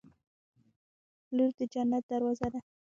• لور د جنت دروازه ده.